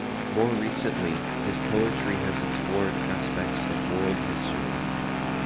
More recently, his poetry has explored aspects of world history.